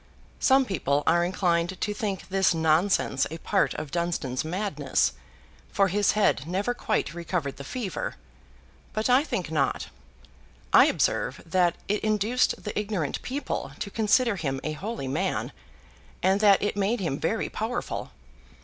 Some people are inclined to think this nonsense a part of Dunstan's madness (for his head never quite recovered the fever), but I think not. I observe that it induced the ignorant people to consider him a holy man, and that it made him very powerful.